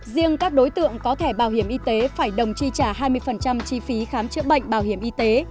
riêng các đối tượng có thẻ bảo hiểm y tế phải đồng chi trả hai mươi chi phí khám chữa bệnh bảo hiểm y tế